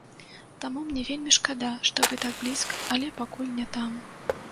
Таму мне вельмі шкада, што вы так блізка, але пакуль не там.